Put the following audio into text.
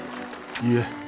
いえ。